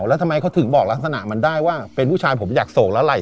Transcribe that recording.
แล้วทำไมเขาถึงบอกลักษณะมันได้ว่าเป็นผู้ชายผมอยากโศกแล้วไห่